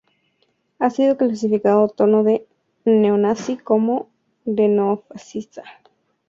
Ha sido calificado tanto de neonazi como de neofascista.